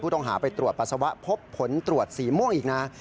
ต้องหาไปตรวจปัสสาวะพบผลตรวจสีม่วงอีกนะ